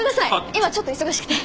今ちょっと忙しくて。